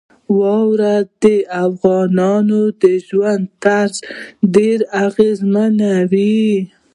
واوره د افغانانو د ژوند طرز ډېر اغېزمنوي.